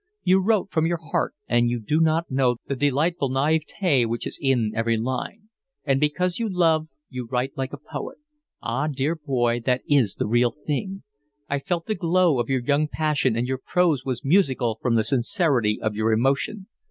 You wrote from your heart and you do not know the delightful naivete which is in every line. And because you love you write like a poet. Ah, dear boy, that is the real thing: I felt the glow of your young passion, and your prose was musical from the sincerity of your emotion.